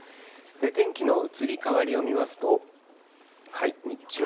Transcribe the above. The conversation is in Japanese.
天気の移り変わりを見ますと、日中。